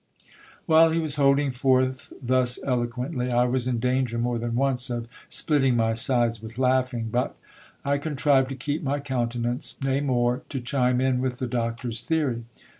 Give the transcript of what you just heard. While he was holding forth thus eloquently, I was in danger more than once of splitting my sides with laughing But I contrived to keep my countenance : nay, more ; to chime in with the doctor's theory.